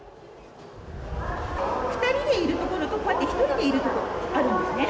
２人でいる所と、こうやって１人でいる所があるんですね。